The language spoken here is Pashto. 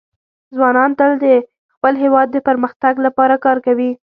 ځوانان تل د خپل هېواد د پرمختګ لپاره کار کوي.